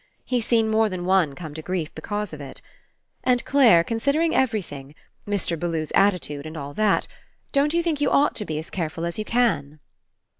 He's seen more than one come to grief because of it. And, Clare, considering everything — Mr. Bellew's attitude and all that — don't you think you ought to be as careful as you can?"